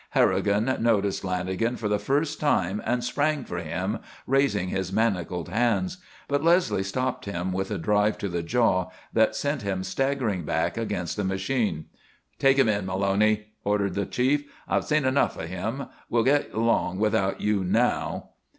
Harrigan noticed Lanagan for the first time and sprang for him, raising his manacled hands. But Leslie stopped him with a drive to the jaw that sent him staggering back against the machine. "Take him in, Maloney," ordered the Chief. "I've seen enough of him. We'll get along without you now."